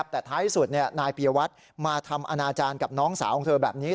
แต่ท้ายสุดนายปียวัตรมาทำอนาจารย์กับน้องสาวของเธอแบบนี้